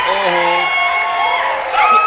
โอ้โห